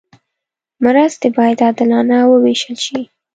مرستې باید عادلانه وویشل شي.